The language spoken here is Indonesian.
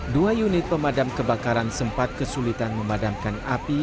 dua unit pemadam kebakaran sempat kesulitan memadamkan api